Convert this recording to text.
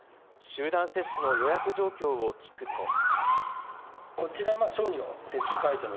集団接種の予約状況を聞くと。